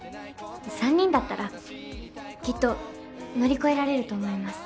３人だったらきっと乗り越えられると思います。